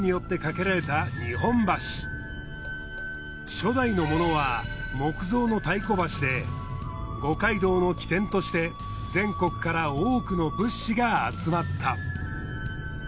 初代のものは木造の太鼓橋で五街道の基点として全国から多くの物資が集まった。